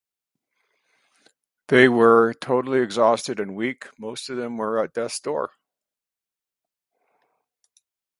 They were totally exhausted and weak, most of them were at the death's door.